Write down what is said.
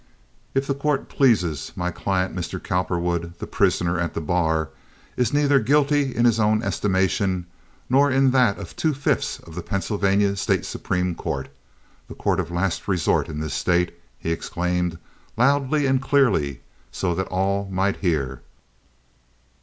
"If the court pleases, my client, Mr. Cowperwood, the prisoner at the bar, is neither guilty in his own estimation, nor in that of two fifths of the Pennsylvania State Supreme Court—the court of last resort in this State," he exclaimed, loudly and clearly, so that all might hear.